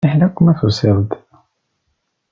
Fiḥel akk ma tusiḍ-d.